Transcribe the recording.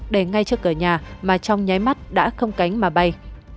đề ngay trước cửa nhà mà trong nháy mắt đã không cánh mà bay